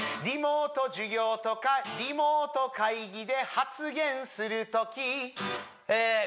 リモート授業とかリモート会議で発言する時えー